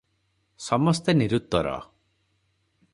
ସମସ୍ତେ ନିରୁତ୍ତର ।